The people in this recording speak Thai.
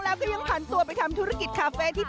ผัวไปเถินเอาผัวไปเถินเอาผัวไปเถินเอาผัวไปเถิน